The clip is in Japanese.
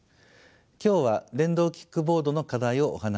今日は電動キックボードの課題をお話しします。